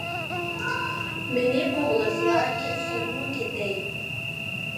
مېنى قوغلىسىلا، كەتسەممۇ كېتەي.